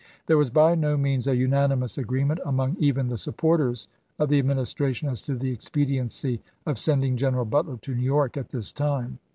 There was by no means a unanimous agreement among even the supporters of the Administration as to the expediency of sending General Butler to New York at this time.